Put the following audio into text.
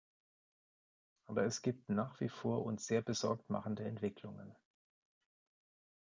Aber es gibt nach wie vor uns sehr besorgt machende Entwicklungen.